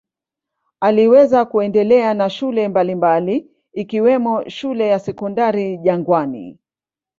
Aliweza kuendelea na shule mbalimbali ikiwemo shule ya Sekondari Jangwani.